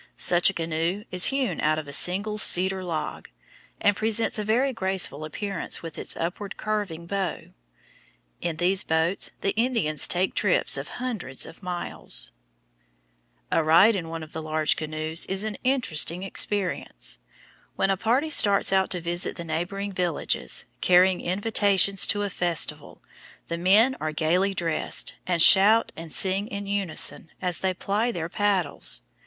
Such a canoe is hewn out of a single cedar log, and presents a very graceful appearance with its upward curving bow. In these boats the Indians take trips of hundreds of miles. [Illustration: FIG. 64. FLATHEAD INDIAN WOMAN, VANCOUVER ISLAND] A ride in one of the large canoes is an interesting experience. When a party starts out to visit the neighboring villages, carrying invitations to a festival, the men are gayly dressed, and shout and sing in unison as they ply their paddles.